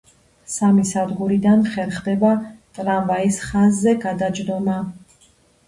სამი სადგურიდან ხერხდება ტრამვაის ხაზზე გადაჯდომა.